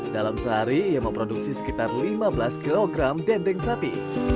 dalam sehari ia memproduksi sekitar lima belas kg dendeng sapi